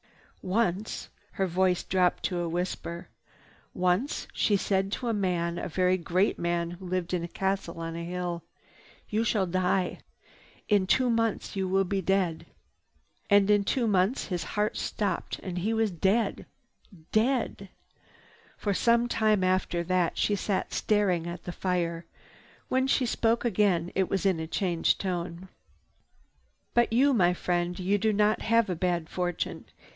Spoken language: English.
"Once—" her voice dropped to a whisper. "Once she said to a man, a very great man who lived in a castle on a hill: 'You shall die. In two months you will be dead.' And in two months his heart stopped. He was dead, dead." For some time after that she sat staring at the fire. When she spoke again it was in a changed tone: "But you, my friend, you did not have a bad fortune.